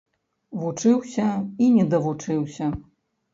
Вучыўся і не давучыўся.